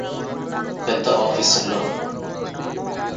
పెద్ద ఆఫీసుల్లో